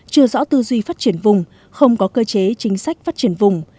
chưa rõ tư duy phát triển vùng không có cơ chế chính sách phát triển vùng